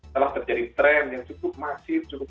telah terjadi tren yang cukup masif cukup